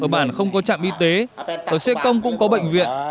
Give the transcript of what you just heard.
bạn không có trạm y tế ở sê công cũng có bệnh viện